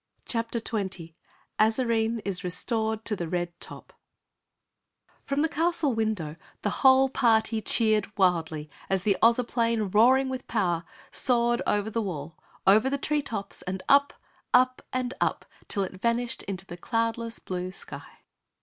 CHAPTER 20 Azarine Is Restored to Red Top From the castle window, the whole party cheered wildly as the Ozoplane, roaring with power, soared over the wall, over the tree tops and up, up, and up, till it vanished into the cloudless, blue sky.